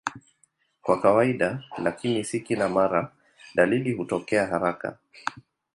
Kwa kawaida, lakini si kila mara, dalili hutokea haraka.